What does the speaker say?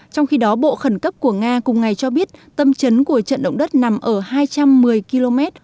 trong khi đó bộ khẩn cấp của nga cùng ngày cho biết tâm chấn của trận động đất nằm ở hai trăm một mươi km